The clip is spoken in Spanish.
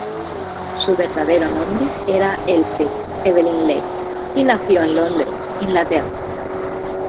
Su verdadero nombre era Elsie Evelyn Lay, y nació en Londres, Inglaterra.